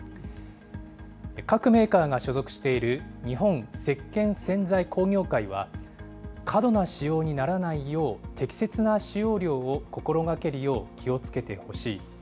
各メーカーが所属している日本石鹸洗剤工業会は、過度な使用にならないよう、適切な使用量を心がけるよう気をつけてほしい。